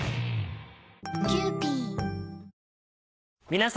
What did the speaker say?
皆様。